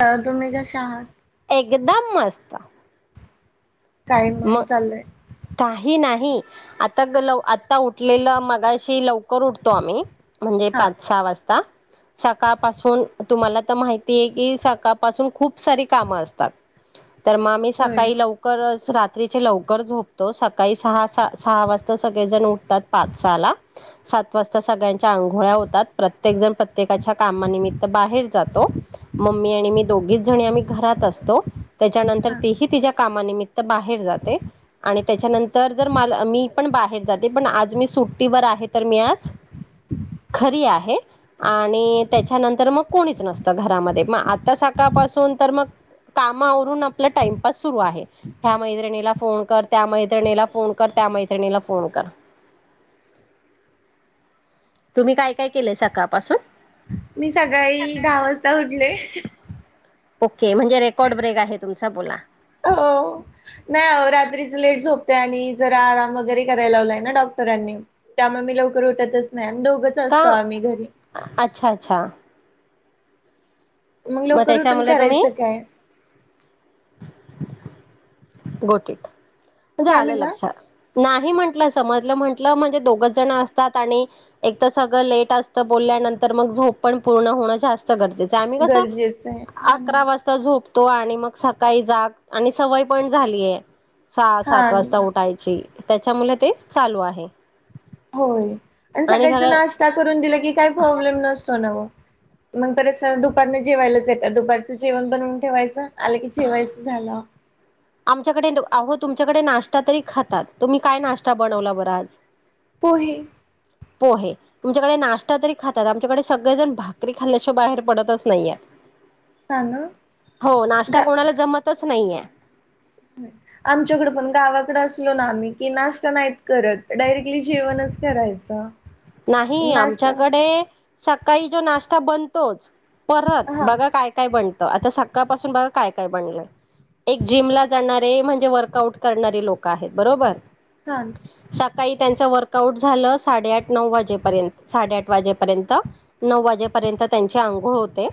अ तुम्ही कसे आहात एकदम मस्त काही म्हणून मग चाललंय. काही नाही. आता आता उठलेलं मगाशी लवकर उठतो आम्ही. म्हणजे हां, पाच सहा वाजता. सकाळपासून तुम्हाला तर माहिती आहे की सकाळपासून खूप सारी कामं असतात. तर मग आम्ही होय. सकाळी लवकरच रा तिथे लवकर झोपतो सकाळी सहा सहा वाजता सगळेजण उठतात पाच सहाला. सात वाजता सगळ्यांच्या आंघोळ्या होतात. प्रत्येक जण प्रत्येकाच्या कामानिमित्त बाहेर जातो‌. मम्मी आणि मी दोघीच जणी आम्ही घरात असतो त्याच्यानंतर हां. तीही तिच्या कामानिमित्त बाहेर बाहेर जाते‌ आणि त्याच्यानंतर जर मला मी पण बाहेर जाते पण आज मी सुट्टीवर आहे. तर मी आज घरी आहे. आणि त्याच्यानंतर मग कोणीच नसतं घरामध्ये मग आता सकाळपासून तर मग काम आवरून आपलं टाइमपास सुरू आहे. ह्या मैत्रिणीला फोन कर त्या मैत्रिणीला फोन कर त्या मैत्रिणीला फोन कर. तुम्ही काय काय केलंय सकाळपासून. मी सकाळी दहा वाजता उठले. ओके म्हणजे रेकॉर्ड ब्रेक आहे तुमचा बोला. हो नाही हो रात्रीच लेट झोपते आणि जरा आराम वगैरे कराय लावलाय ना डॉक्टरांनी. त्यामुळे मी लवकर उठतच नाही आणि दोघंच का असतो आम्ही घरी. अच्छा अच्छा मग लवकर उठून त्याच्यामुळे तुम्ही करायचं काय. गोटीत म्हणजे काय आलं म्हटला? लक्षात‌ नाही म्हंटलं समजलं म्हंटलं म्हणजे दोघच जण असतात आणि एक तर सगळं लेट असत बोलल्यानंतर मग झोप पण पूर्ण होणं जास्त जे आम्ही कस गरजेचं आहे. हां ना. अकरा वाज झोपतो आणि मग सकाळी जाग आणि सवय पण झालीय‌ सहा सात वाजता हां, उठायची त्याच्यामुळे ते चालू आहे. हो आणि सकाळच नाश्ता करून दिला की काही प्रॉब्लेम नसतो ना हो. मग परत स दुपारन जेवायलाच येतात दुपारचं जेवण बनवून ठेवायचं आलं की जेवायचं झालं. [inaudible] आमच्याकडे अहो तुमच्याकडे नाश्ता तरी खातात तुम्ही काय नाश्ता बनवला बरं आज! पोहे पोहे तुमच्याकडे नाश्ता तरी खातात आमच्याकडे सगळेजण भाकरी खाल्ल्याशिवाय बाहेर पडतच नाही आहेत. हा ना हो नाश्ता गा कोणाला जमतच नाहीये, ह्म [inaudible] आमच्याकडं पण गावाकडं असलो ना आम्ही की नाश्ता नाहीत करत डायरेक्टली जेवणच करायचं. [inaudible] नाही नाश्ता आमच्याकडे सकाळी जो नाश्ता बनतोच परत हा बघा काय का काय बनतं आता सकाळ पासून बघा काय काय बनलंय. एक जिम ला जाणारे म्हणजे वर्कआउट करणारे लोक आहेत बरोबर. कान सकाळी त्यांच वर्क आउट झालं साडे आठ नऊ वाजेपर्यंत साडे आठ वाजेपर्यंत नऊ वाजेपर्यंत त्यांची आंघोळ होते.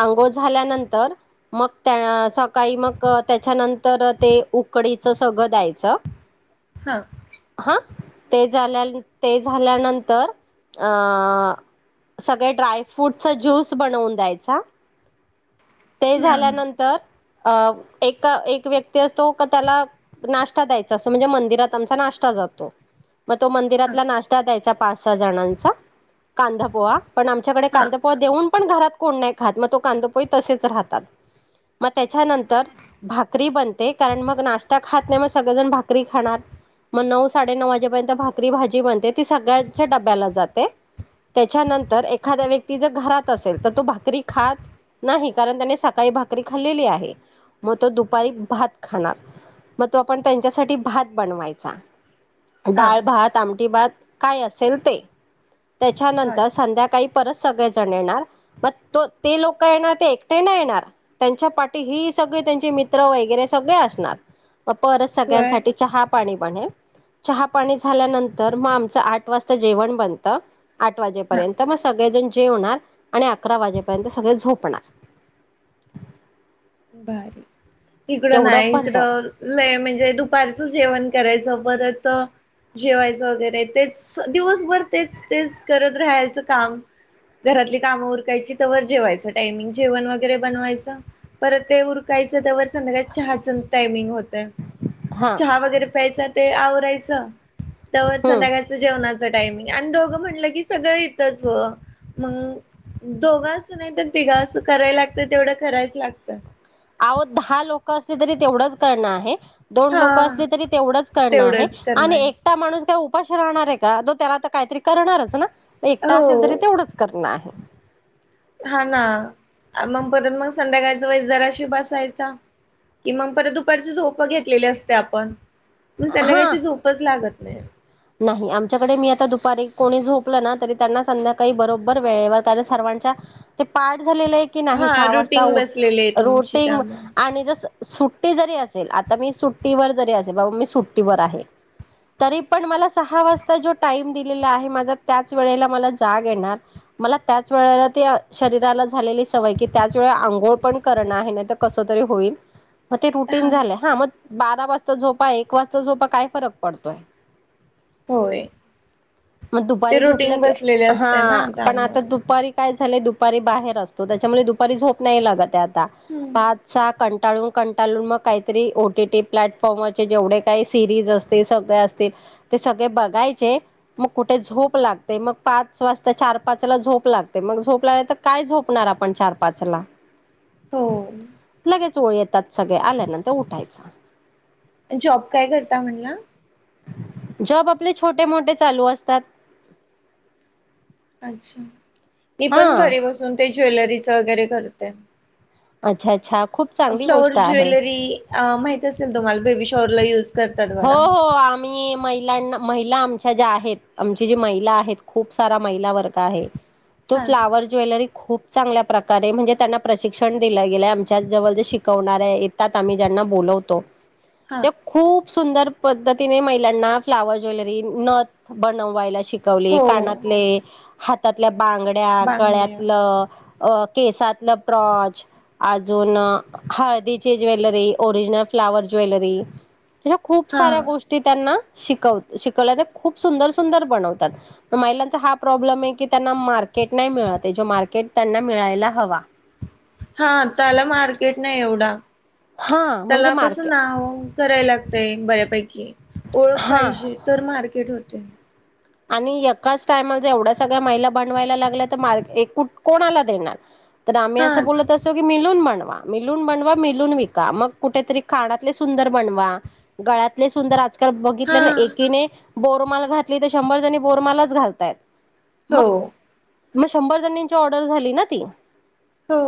आंघोळ झाल्यानंतर मग त्या सकाळी मग त्याच्यानंतर ते उकडीच सगळं द्यायचं. हा हा ते झाल्या ते झाल्यानंतर अ सगळे ड्रायफ्रूटचा ज्यूस बनवून द्यायचा ते हा झाल्यानंतर अ एका एक व्यक्ती असतो का त्याला नाश्ता द्यायचा असं म्हणजे मंदिरात आमचा नाश्ता जातो मग तो मंदिरातला नाश् द्यायचा पाच सहा जणांचा कांदा पोहा पण आमच्याकडे हा हा कांदा देऊन पण घरात कोण नाही खात मग तो कांदा पोहे तसेच राहतात मग त्याच्यानंतर भाकरी बनते कारण मग नाश्ता खात नाही मग सगळेजण भाकरी खाणार मग नऊ साडे नऊ वाजेपर्यंत भाकरी भाजी बनते ती सगळ्याच्या डब्याला जाते त्याच्यानंतर एखाद्या व्यक्ती जर घरात असेल तर तो भाकरी खात नाही कारण त्याने सकाळी भाकरी खाल्लेली आहे मग तो दुपारी भात खाणार मग तो आपण त्यांच्यासाठी भात बनवायचा हा डाळ भात आमटी भात काय असेल ते हा त्याच्यानंतर संध्याकाळी परत सगळेजण येणार मग तो ते लोक येणार ते एकटे नाही येणार त्यांच्या पाठी ही सगळे त्यांचे मित्र वगैरे सगळे असणार म परत होय सगळ्यांसाठी चहा पाणी बनेल चहा पाणी झाल्यानंतर म आमच्यासा आठ वाजता जेवण बनत आठ हा वाजेपर्यंत मग सगळेजण जेवणार आणि अकरा वाजेपर्यंत सगळे झोपणार भारी इकडं एवढं नाही बनत इकडं लई म्हणजे दुपारचं जेवण करायचं परत जेवायचं वगैरे तेच दिवसभर तेच तेच करत राहायचं काम घरातली कामं उरकायची तवर जेवायचं टायमिंग जेवण वगैरे बनवायचं परत ते उरकायचं तवर संध्याकाळ चहाच टायमिंग होतय हा चहा वगैरे प्यायचा ते आवरायचं तवर हम्म संध्याकाळ जेवणाच टायमिंग आणि दोघं म्हटलं की सगळं येतच हो मग दोघं असू नाही तर तिघं असू करायला लागत तेवढं करायच लागत आहो दहा लोक असली तरी तेवढंच करणं आहे, दोन लोक हा असले तरी तेवढंच करणं आहे तेवढंच करणं आणि आहे. एक माणूस काय उपाशी राहणार आहे का तो त्याला आ काहीतरी करणारच ना एकटा असेल तरी हो तेवढंच करनं आहे, हा ना मग परत मग संध्याकाळचा वेळेस जराशी बसायचा कि मग परत दुपारची झोप घेतलेली असते आपण मग हा. संध्याकाळची झोपच लागत नाही नाही आमच्याकडे मी आता दुपारी कोणी झोपलं ना तरी त्यांना संध्याकाळी बरोबर वेळेवर कारण सर्वांच्या ते पाठ झालेलं आहे की नाही हा सहा वाजता रुटीन बसलेली आहे तुमची रोटिंग त्यामुळे आणि जसं सुट्टी जरी असेल आता मी सुट्टीवर जरी असेल बाबा मी सुट्टीवर आहे तरी पण मला सहा वाजता जो टाइम दिलेला आहे माझा त्याच वेळेला मला जाग येणार मला त्याच वेळेला ते शरीराला झालेली सवय की त्याच वेळे आंघोळ पण करणं आहे ना कस तरी होईल मग ते रुटीन झालंय हा मग बारा वाजता झोपा एक वाजता झोपा काय फरक पडतोय होय मग ते दुपारी झोपलं रुटीन की बसलेले हा असते ना पण आता त्यामुळे दुपारी काय झाले दुपारी बाहेर असतो त्याच्यामुळे दुपारी झोप नाही लागत आता पाच सहा कंटाळून कंटाळून मग काहीतरी ओ टीटी प्लॅटफॉर्मचे जेवढे काही सिरीज असते ते सगळे असतील ते सगळे बघायचे मग कुठे झोप लागते मग पाच वाजता चार पाचाला झोप लागते मग झोप लाग तर काय झोपणार आपण चार पाच ला हो लगेच ओळ येतात सगळे आल्यानंतर उठायच जॉब काय करता म्हणला जॉब आपले छोटे मोठे चालू असतात अच्छा मी हा पण घरी बसून ते ज्वेलरीच वगैरे करते अच्छा अच्छा खूप चांगली फ्लॉवर गोष्ट आहे ज्वेलरी माहित असेल तुम्हाला बेबी शॉवररला युज करतात हो बघा हो आम्ही महिलांना महिला आमच्या ज्या आहेत आमची जी महिला आहेत खूप सारा महिला वर्ग आहे [unintelligible] तो फ्लावर ज्वेलरी खूप चांगल्या प्रकारे म्हणजे त्यांना प्रशिक्षण दिलं गेलं आमच्या जवळ जे शिकवणार आहे त्या आम्ही ज्यांना बोलवतो हा ते खूप सुंदर पद्धतीने महिलांना फ्लावर ज्वेलरी नथ बनवायला शिक िकवली हो कानातले हातातल्या बांगड्या बांगड्या गळ्यातलं अ केसातलं प्रॉच अजून हळदीची ज्वेलरी ओरिजनल फ्लाॉवर ज्वेलरी त्या खूप हा साऱ्या गोष्टी त्यांना शिकव शिकवल्या खूप सुंदर सुंदर बनवतात महिलांचा हा प्रॉब्लेम आहे की त्यांना मार्केट नाही मिळत जो मार्केट त्यांना मिळायला हवा हा त्याला मार्केट नाही एवढा हा म्हणजे त्याला कसं मार्केट नाव करायला लागतय बऱ्यापैकी ओळख हा पाहिजे तर मार्केट होते आणि एकाच टायम ज एवढ्या सगळ्या महिला बनवायला लागल्या तर मार्ग एकूट कोणाला देणार तर आम्ही हा असं बोलत की मिलून बनवा मिलून बनवा मिलून विका मग कुठेतरी खाण्यातातले सुंदर बनवा गळ्यातले सुंदर हा बघितल्या ना एकीने बोरमाल घातली तर शंभर जणी बोरमालच घालतायत हो मग मग शंभर जणांची ऑर्डर झाली ना ती हो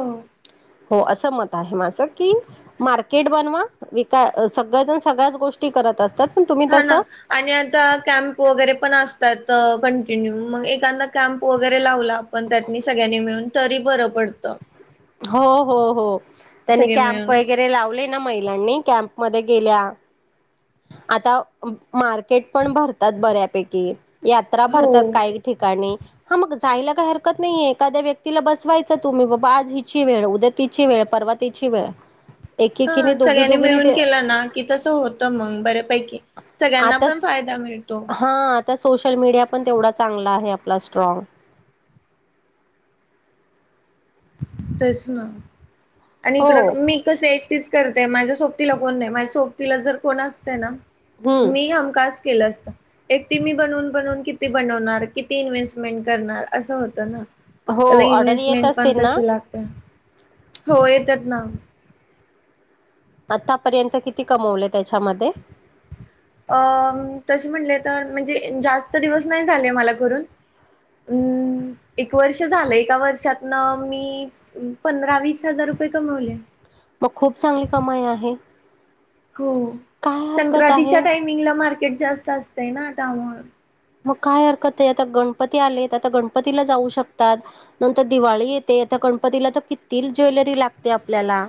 हो असं मत आहे माझं की मार्केट बनवा विक सगळजण सगळ्याच गोष्टी करत असतात पण तुम्ही हा ना तसं आणि आता कॅम्प वगैरे पण असतात कंटिन्यू मग एखांदा कॅम्प वगैरे लावला पण त्यात म सगळ्यांनी मिळून तरी बरं पडतं हो हो हो त्यांनी सगळे कॅप मिळून वगर लावले ना महिलांनी कॅम्प मध्ये गेल्या आता मार्केट पण भरतात बऱ्यापैकी यात्रा हो भरतात काही ठिकाणी हा मग जायला काही हरकत नाहीय एखाद्या व्यक्तीला बसवायच तुम्ही बाबा आज हिची वेळ उद्या तिची वेळ परव तिची वेळ एकेकीने हा दोघी सगळ्यांनी दोघीने मिळून ते केला ना कि तस होतं मग बर्यापैकी सगळ्यांना पण आताच फायदा मिळतो हा आता सोशल मीडिया पण तेवढा चांगला आहे आपला स्ट्राग तच ना आणि हो इकडं मी कसं एक तेच करते माझ्या सुट्टीला माझ्या सोबतीला जर कोणी असतं हम्म ना असा एकटीने बनवून किती बनवणार किती इन्व्हेस्टमेंट करणार असं होतं ना हो ऑर्डर येतच पशी लागते हो येतात ना आतापर्यंत किती कमवले त्याच्यामध्ये अ तसे म्हणले तर म्हणजे जास्त दिवस नाही झाले मला घून अं एक वर्ष झालं एका वर्षातन मी पंधरा वीस हजार रुपये कमवले मग खूप चांगली कमाई आहे हो काय हरकत संक्रांतीच्या आहे टायमिंगला मार्केट जास्त असतंय ना आता आम्हा मग काय हरकत आहे आता गणपती आले आता गणपतीला जाऊ शकतात नंतर दिवाळी येते आता गणपतीला तर किती ज्वेलरी लागते आपल्याला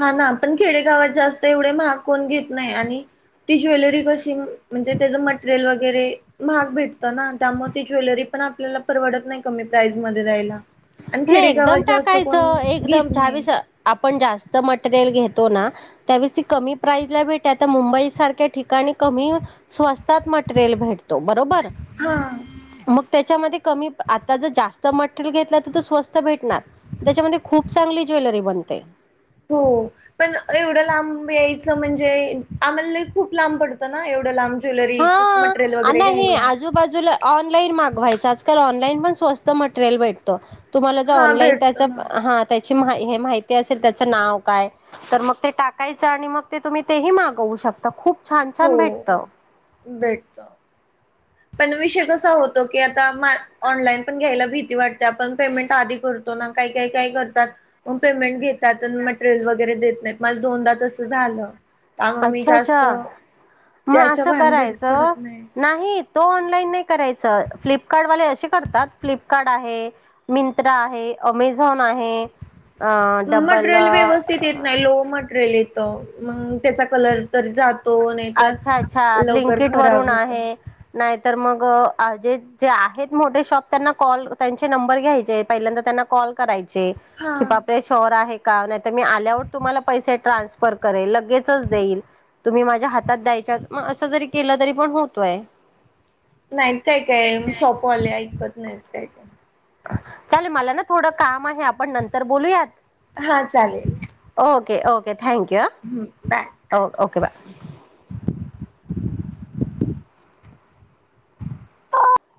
हा ना पण खेडेगावात जास्त एवढे महाग कोण घेत नाही आणि ती ज्वेलरी कशी म्हणजे त्याचं मटेरियल वगैरे महाग भेटत ना त्यामुळे ती ज्वेलरी पण आपल्याला परवडत नाही कमी प्राईज मध्ये दयला नाही एकदम टाकायचं एकदम घेत नाही वीस आपण जास्त मटेरियल घेतो ना त्यावेस ती कमी प्राईजला भेटते आता मुंबई सारख्या ठिकाणी कमी स्वस्तात मटेरियल भेटते तर मग बरोबर हा तर मग कमी आता मग जास्त मटेरियल घेतलं स्वस्त भेटणार त्याच्यामध्ये खूप चांगली ज्वेलरी बनते हो पण एवढं लांब यायचं म्हणजे आम्हाला खूप लांब पडतं ना एवढं लांब हा ज्वेलरीजं मटरियल आ वगैरे नाही घ्यायला आजूबाजूला ऑनलाईन मागवायचं आजकाल ऑनलाईन पण स्वस्त मटेरियल भेटतो तुम्हाला ज हा ऑनलाईन भेटत त्याच ना हा त्याची हे माहिती असेल त्याच नाव काय तर मग ते टाकायचं आणि मग ते तुम्ही तेही मागवू शकता खूप छान छान हो भेटत भेटत पण विषय कसा होतो की आता ऑनलाईन पण घ्यायला भीती वाटते आपण पेमेंट आधी करतो ना काही काही काय करतात मग पेमेंट घेतात मटेरियल वगैरे देत नाहीत माझ दोनदा तसं झालं त्यामुळे मी अच्छा जास्त अच्छा मग त्याच्या असं भान घडीत करायचं पडत नाही नाही तो ऑनलाईन नाही करायच फ्लिपकार्टवाले असे करतात फ्लिपकार्ट आहे मिंत्रा आहे अमेझॉन आहे अ डबल मटेरियल व्यवस्थित येत नाही लो मटेरियल येत मग त्याचा कलर तर जात अच्छा अच्छा लिंकेट खराब वरून होत आहे नाही तर मग जे जे आहेत मोठे शॉप त्यांना कॉल त्यांचे नंबर घ्यायचे पहिल्यांदा त्यांना कॉल करायचे हा शॉर आहे का नाही तर मी आल्यावर तुम्हाला पैसे ट्रान्सफर करेल लगेच देईल तुम्ही माझ्या हातात द्यायच्या मग असं जरी केलं तरी पण होतोय नाहीत काय काय शॉपवाले ऐकत नाहीत काय काय चालेल मला ना थोडं काम आहे आपण नंतर बोलूयात हा चालेल ओके ओके थँक्यू हम्म बाय ओकेबा